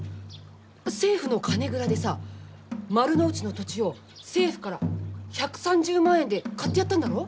政府の金蔵でさ丸の内の土地を政府から１３０万円で買ってやったんだろう？